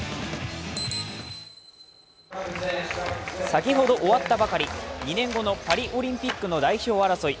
先ほど終わったばかり、２年後のパリオリンピックの代表争い。